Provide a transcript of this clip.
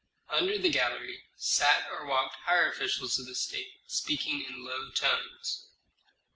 Under the gallery sat or walked higher officials of the state, speaking in low tones.